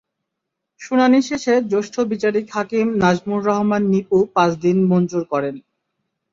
শুনানি শেষে জ্যেষ্ঠ বিচারিক হাকিম নাজমুর রহমান নিপু পাঁচ দিন মঞ্জুর করেন।